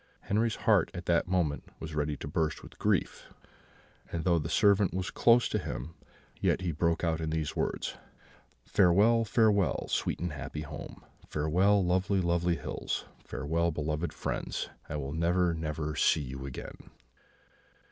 Henri's heart at that moment was ready to burst with grief, and though the servant was close to him, yet he broke out in these words: "'Farewell, farewell, sweet and happy home! Farewell, lovely, lovely hills! Farewell, beloved friends! I shall never, never see you again!'